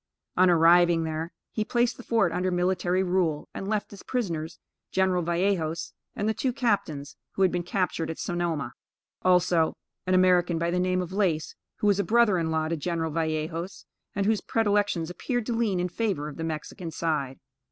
On arriving there, he placed the fort under military rule, and left his prisoners, General Vallejos and the two captains, who had been captured at Sonoma. Also an American by the name of Lace, who was a brother in law to General Vallejos, and whose predilections appeared to lean in favor of the Mexican side.